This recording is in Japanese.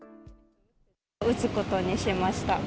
打つことにしました。